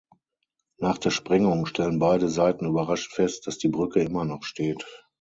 Nach der Sprengung stellen beide Seiten überrascht fest, dass die Brücke immer noch steht.